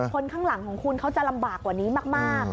คนข้างหลังของคุณเขาจะลำบากกว่านี้มาก